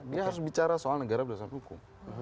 dia harus bicara soal negara berdasarkan hukum